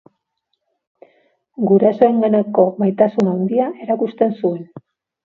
Gurasoenganako maitasun handia erakusten zuen.